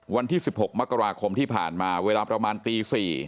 วันที่๑๖มกราคมที่ผ่านมาเวลาประมาณตี๔